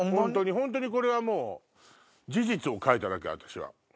本当にこれはもう事実を書いただけ私は。